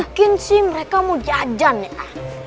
mungkin sih mereka mau jajan ya